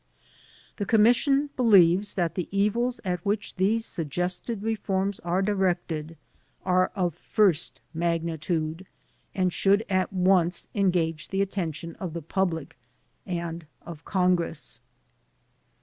The Commission believes that the evils at which these st^gested reforms are directed are of first magnitude and shotdd at once engage the attention of the public and of Congress.